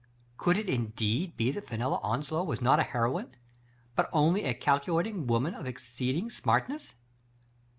Could it indeed be that Fenella Onslow was not a heroine, but only a calculating woman of exceeding smartness?